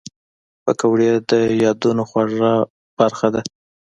پکورې د یادونو خواږه برخه ده